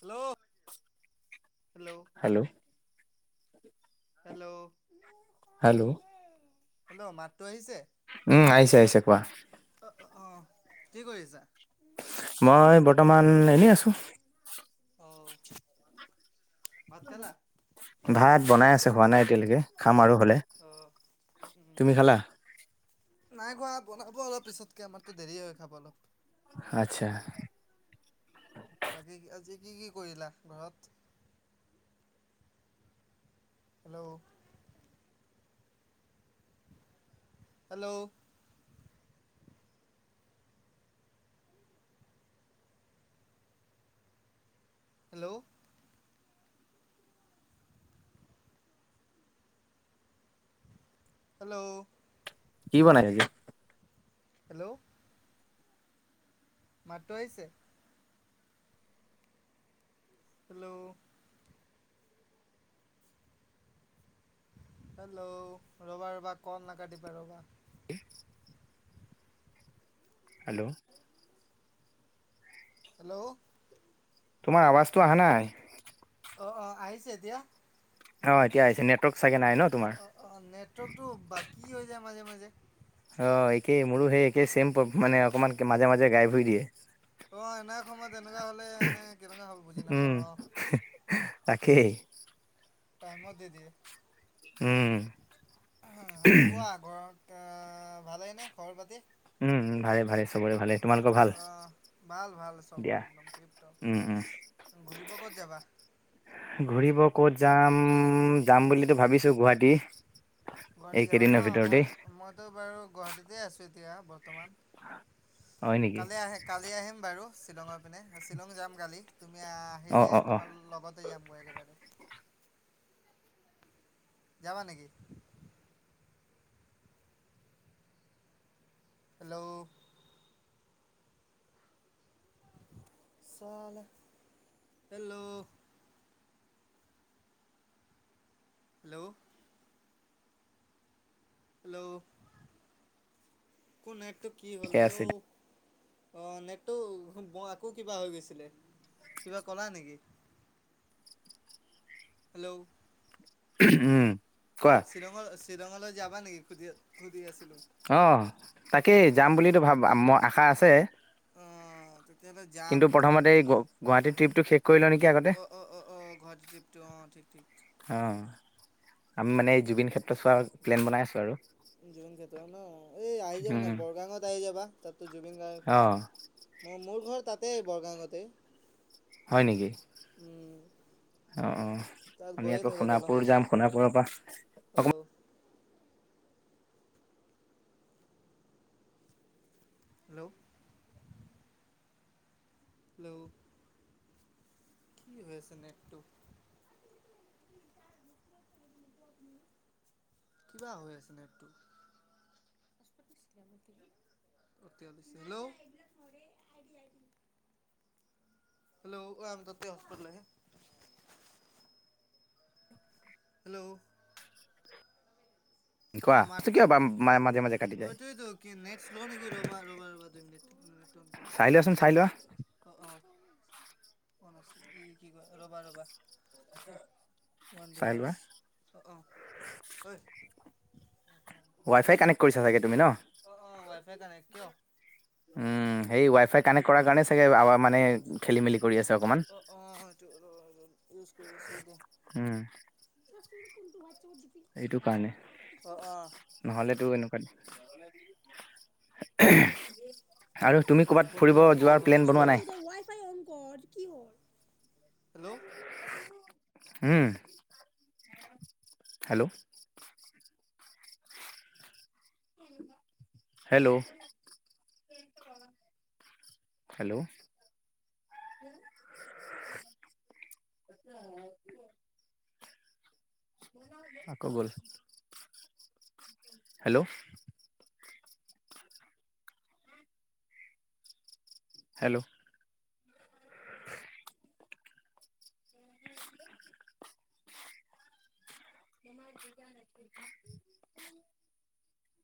Hello hello. Hello. Hello. Hello. Hello মাতটো আহিছে? উম, আহিছে আহিছে কোৱা। অ', অ', কি কৰি আছা? মই বৰ্তমান এনেই আছো। অহ। ভাত বনাই আছে হোৱা নাই এতিয়ালৈকে খাম আৰু হ'লে। অ উম, উম, তুমি খালা নাই খোৱা বনাব অলপ পিছতকে, আমাৰতো দেৰি হয় খাবলৈ অলপ। আচ্ছা। বাকী আজি কি কি কৰিলা ঘৰত? হেল্ল, হেল্ল, হেল্ল, হেল্ল, কি বনাই থাকে? হেল্ল, মাতটো আহিছে? হেল্ল, হেল্ল, ৰবা ৰবা ক'ৰ নাকাটিবা ৰবা। হেল্ল, হেল্ল, তোমাৰ আৱাজটো অহা নাই। অ, অ, আহিছে দিয়া অ, এতিয়া আহিছে, নেটৱৰ্ক চাগে নাই ন, অ তোমাৰ। অ অ, নেটৱৰ্কতটো বাকী হৈ যায় মাজে, মাজে। অ, একেই মোৰো সেই, একেই অ চেম, মানে অকমান মাজে মাজে গাইব হৈ দিয়ে। অ, এনে সময় তেনেকুৱা হ'লে, এনে কেনেকুৱা হ'ব বুজি উম নাপাওঁ। তাকেই। টাইমত, দি দিয়ে। উম, আৰু কোৱা, ঘৰত আ, ভালেইনে খবৰ পাতি? উম, উম, ভালে ভালে, চবৰে ভালেই। অ, ভাল ভাল চবৰে দিয়া একদম আৰু টিপ, উম উম টপ, ঘূৰিব ক'ত যাবা? ঘুৰিব ক'ত যাম, যাম বুলিতো ভাবিছো গুৱাহাটী। গুৱাহাটী যাবা এইকেইদিনৰ ন, মই ভিতৰতেই ম মো, বাৰু গুৱাহাটীতে আছো এতিয়া বৰ্তমান, হয় নেকি কালি আহ, কালি আহিম বাৰু। শ্বিলঙৰ পিনে, শ্বিলং যাম কালি, তুমি অ আহিলে অ অ তোমাৰ লগতে যামগৈ একেবাৰে। যাবা, নেকি? হেল্ল, চালা, হেল্ল, হেল্ল, হেল্ল, তো নেটতো কি হ'ল, ঠিকে হেল্ল, আছে অ, নেটতো আকৌ কিবা হৈ গৈছিলে, কিবা ক'লা নেকি? হেল্ল, উম, কোৱা। শ্বিলঙলৈ, শ্বিলঙলৈ যাবা নেকি? সুধি, সুধি আছে। অ, তাকেই যাম বুলিটো ভাব, ম, আশা আছে। অ, তেতিয়াহ'লে যাম কিন্তু প্ৰথমতে কালি, এই গু গুৱাহাটী ট্ৰিপটো শেষ কৰি লওঁ নেকি আগতে অ, অ, অ, অ, গুৱাহাটী ট্ৰিপটো, অ, ঠিক। ঠিক। অ, আমি মানে এই জুবিন ক্ষেত্ৰ চোৱাৰ প্লেন বনাই আছো আৰু। জুবিন ক্ষেত্ৰ ন, এই আহি যাব ন, উম বৰগাঙত আহি যাবা, তাতো জুবিন অ গাৰ্গ মোৰ মোৰ ঘৰ তাতেই বৰগাওঁতে। হয় নেকি। অঁ অঁ তাত আমি গৈয়ে আকৌ থাকোঁ সোণাপুৰ দলঙত যাম সোণাপুৰৰ পৰা অ অকমান হেল্ল' হেল্ল' কি হয় আছে নেটটো। কিবা হৈ আছে নেটটো। [inaudible] হেল্ল' হেল্ল' [inaudible] হস্পট লাগে হেল্ল' অঁ মাতটো কোৱা [inaudible] যায় এইটোৱেতো কি নেট শ্লো নেকি ৰবা ৰবা ৰবা দুইমিনিট চাই লোৱাচোন চাই লোৱা। অ অহ অন আছে ই কি কয় ৰবা ৰবা। [unintelligible] ওৱান চাই লোৱা ডিভাইচ অহ অহ অই ৱাই ফাই কানেক্ কৰিছা চাগে তুমি ন? অ অ ৱাই ফাই কানেক্ট কিয়? উম সেই ৱাই ফাই কানেকট কৰা কাৰণে চাগে আৱা মানে খেলি মেলি কৰি আছে অকমান। অঁ অঁ অঁ এইটো ইউজ উম চোৱাচোন কোনটো ওৱাইটচাপট এইটো কাৰণে। নহলেতো এনেকুৱা আৰু তুমি ক'ৰবাত হটস্পটটো ফুৰিব অন কৰ যোৱাৰ প্লেন বনোৱা হটস্পট নাই? [inaudible] হেল্ল উম হেল্ল' হেল্লো' হেল্লো [unintelligible] আকৌ গল হেল্লো' হেল্লো [unintelligible] [unintelligible]